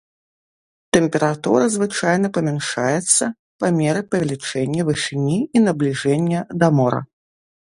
Тэмпература звычайна памяншаецца па меры павелічэння вышыні і набліжэння да мора.